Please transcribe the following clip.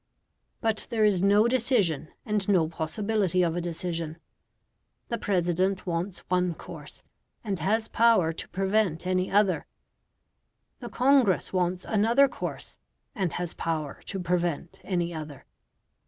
But there is no decision, and no possibility of a decision. The President wants one course, and has power to prevent any other; the Congress wants another course, and has power to prevent any other.